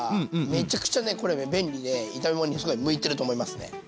めちゃくちゃねこれ便利で炒め物にすごい向いてると思いますね。